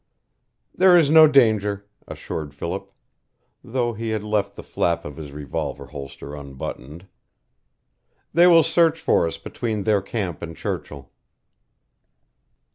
"There is no danger," assured Philip, though he had left the flap of his revolver holster unbuttoned. "They will search for us between their camp and Churchill."